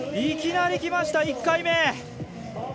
いきなりきました、１回目！